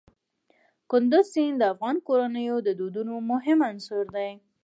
کندز سیند د افغان کورنیو د دودونو مهم عنصر دی.